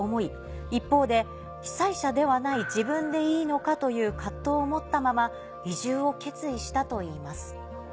一方で「被災者ではない自分でいいのか」という藤を持ったまま移住を決意したといいます。